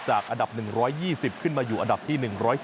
อันดับ๑๒๐ขึ้นมาอยู่อันดับที่๑๔